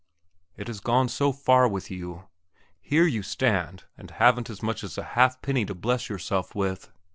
It has gone so far with you. Here you stand and haven't as much as a halfpenny to bless yourself with.